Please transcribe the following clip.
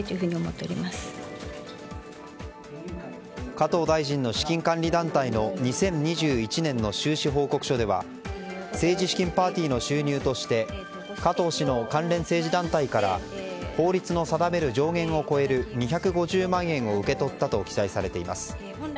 加藤大臣の資金管理団体の２０２１年の収支報告書では政治資金パーティーの収入として加藤氏の関連政治団体から法律の定める上限を超える２５０万円を受け取ったと記載されています。